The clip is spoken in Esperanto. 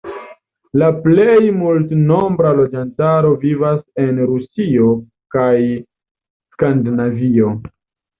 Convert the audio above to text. La plej multnombra loĝantaro vivas en Rusio kaj Skandinavio.